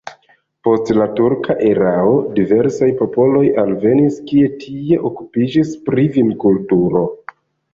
Post la turka erao diversaj popoloj alvenis, kie tie okupiĝis pri vinkulturo.